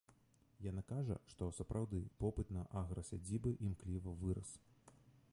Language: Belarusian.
Яна кажа, што, сапраўды, попыт на аграсядзібы імкліва вырас.